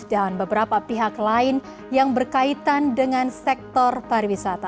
beberapa pihak lain yang berkaitan dengan sektor pariwisata